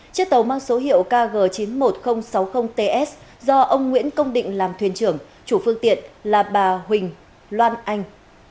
chiếc tàu mang số hiệu kg chín mươi một nghìn sáu mươi ts do ông nguyễn công định làm thuyền trưởng chủ phương tiện là bà huỳnh loan anh